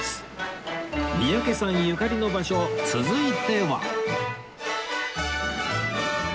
三宅さんゆかりの場所続いては